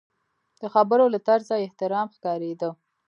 د خبرو له طرزه یې احترام ښکارېده.